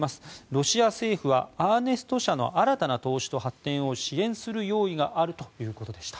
ロシア政府はアーネスト社の新たな投資と発展を支援する用意があるということでした。